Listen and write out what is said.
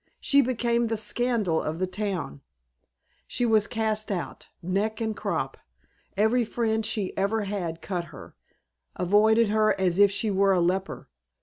She became the scandal of the town. She was cast out, neck and crop. Every friend she ever had cut her, avoided her as if she were a leper.